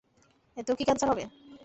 এতেও কি ক্যান্সার হবে?